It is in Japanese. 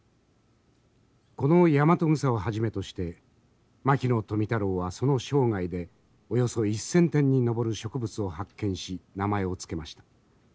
このヤマトグサをはじめとして牧野富太郎はその生涯でおよそ１，０００点に上る植物を発見し名前を付けました。